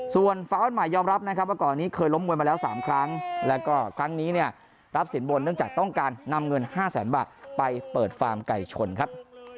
ส่วนฟ้าอ้อนใหม่ยอมรับนะครับว่าก่อนนี้เคยล้มมวยมาแล้ว๓ครั้งแล้วก็ครั้งนี้เนี่ยรับสินบนเนื่องจากต้องการนำเงิน๕แสนบาทไปเปิดฟาร์มไก่ชนครับ